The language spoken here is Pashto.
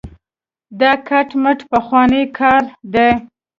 دا کټ مټ پخوانو کار دی.